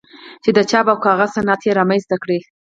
چې د چاپ او کاغذ صنعت یې رامنځته کړ.